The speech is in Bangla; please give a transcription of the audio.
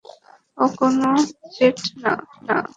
ও কোনো জেট না।